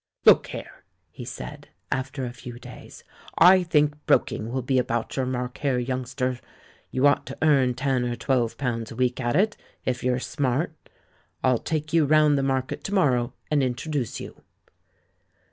"Look here," he said, after a few days, "I think broking will be about your mark here, youngster. You ought to earn ten or twelve pounds a week at it, if you're smart. I'll take you round the Market to morrow and introduce you."